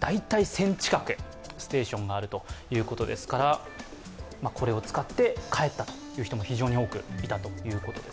大体１０００近くステーションがあるということですから、これを使って帰ったという人も非常に多くいたということです。